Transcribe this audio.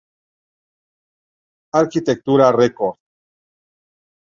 Architectural Record